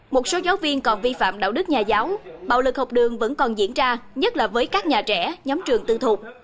một số giáo viên còn vi phạm đạo đức nhà giáo bạo lực học đường vẫn còn diễn ra nhất là với các nhà trẻ nhóm trường tư thuộc